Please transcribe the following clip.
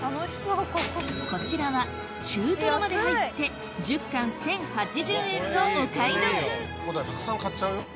こちらは中トロまで入って１０貫１０８０円とお買い得たくさん買っちゃうよ。